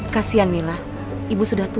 kasian mila ibu sudah tua